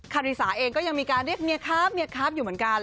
ริสาเองก็ยังมีการเรียกเมียครับเมียครับอยู่เหมือนกัน